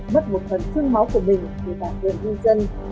mất một phần thương máu của mình thì tạm gần nhân dân